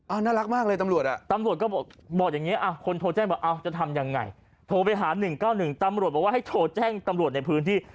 น่ารักมากเลยตำรวจอ่ะตำรวจตำรวจก็บอกอย่างนี้คนโทรแจ้งบอกเอาจะทำยังไงโทรไปหา๑๙๑ตำรวจบอกว่าให้โทรแจ้งตำรวจในพื้นที่